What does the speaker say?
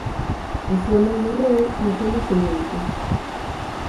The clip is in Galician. A súa nai morreu no seu nacemento.